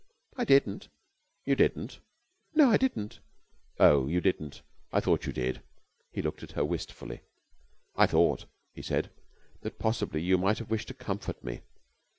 "I didn't." "You didn't?" "No, I didn't." "Oh, you didn't! I thought you did!" He looked at her wistfully. "I thought," he said, "that possibly you might have wished to comfort me.